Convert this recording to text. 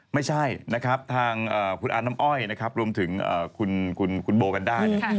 ไม่ใช่นะครับทางคุณอาน้ำอ้อยนะครับรวมถึงคุณโบวันด้าเนี่ย